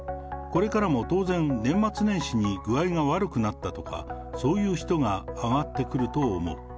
これからも当然、年末年始に具合が悪くなったとか、そういう人が上がってくると思う。